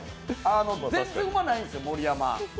全然うまないんですよ、盛山。